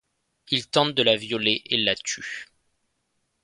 Il tente de la violer et la tue.